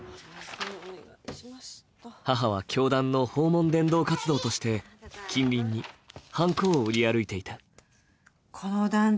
母は教団の訪問伝道活動として近隣にはんこを売り歩いていた。